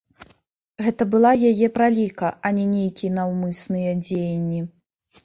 Гэта была яе праліка, а не нейкія наўмысныя дзеянні.